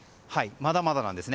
まだまだなんですね。